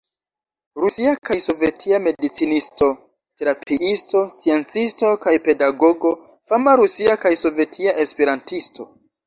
Rusia kaj sovetia medicinisto-terapiisto, sciencisto kaj pedagogo, fama rusia kaj sovetia esperantisto.